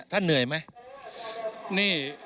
ท่านเหนื่อยไหม